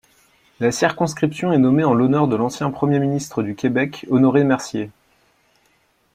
La circonscription est nommée en l'honneur de l'ancien premier ministre du Québec Honoré Mercier.